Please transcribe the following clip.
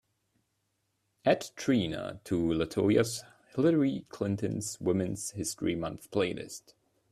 Add Trina to latoya's Hillary Clinton's Women's History Month Playlist.